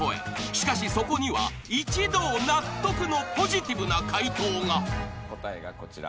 ［しかしそこには一同納得のポジティブな回答が］答えがこちら。